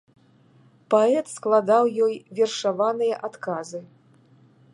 Паэт складаў ёй вершаваныя адказы.